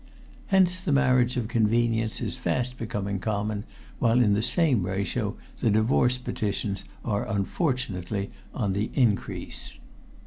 Hence the marriage of convenience is fast becoming common, while in the same ratio the divorce petitions are unfortunately on the increase.